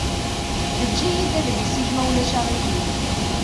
Eǧǧ-iyi-d adlis-ik ma ulac aɣilif.